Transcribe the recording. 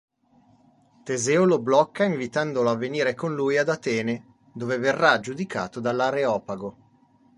Teseo lo blocca invitandolo a venire con lui ad Atene, dove verrà giudicato dall'Areopago.